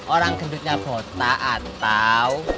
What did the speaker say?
orang gendutnya botak atau